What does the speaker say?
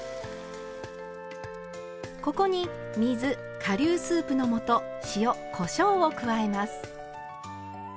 ここに水顆粒スープの素塩こしょうを加えます。